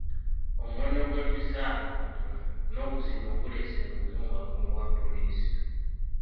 Omuwendo gw'emisaala omutono n'obusiimo buleese enguzi mu bakungu ba poliisi.